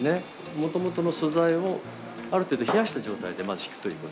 もともとの素材をある程度冷やした状態でまずひくということ。